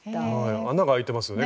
穴が開いてますよね